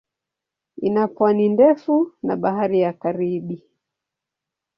Ina pwani ndefu na Bahari ya Karibi.